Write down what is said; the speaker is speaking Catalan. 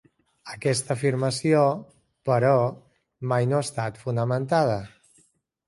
Aquesta afirmació, però, mai no ha estat fonamentada.